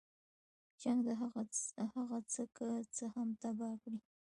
جنګ د هغه څه که څه هم تباه کړي.